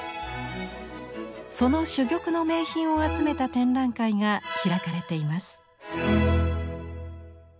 その珠玉の名品を集めた展覧会が開かれています。